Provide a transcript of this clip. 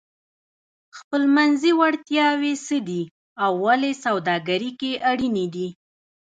خپلمنځي وړتیاوې څه دي او ولې سوداګري کې اړینې دي؟